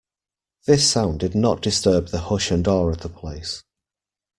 This sound did not disturb the hush and awe of the place.